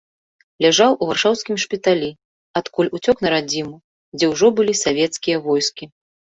Ляжаў у варшаўскім шпіталі, адкуль уцёк на радзіму, дзе ўжо былі савецкія войскі.